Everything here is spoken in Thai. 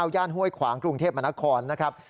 ย่านห้วยขวางกรุงเทพมนครนะครับ